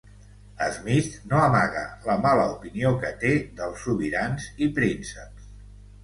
Smith no amaga la mala opinió que té dels sobirans i prínceps.